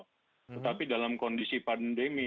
tetapi dalam kondisi pandemi